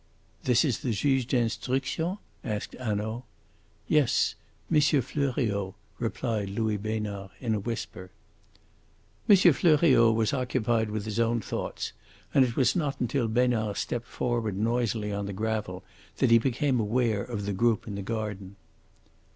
"This is the Juge d'Instruction?" asked Hanaud. "Yes; M. Fleuriot," replied Louis Besnard in a whisper. M. Fleuriot was occupied with his own thoughts, and it was not until Besnard stepped forward noisily on the gravel that he became aware of the group in the garden.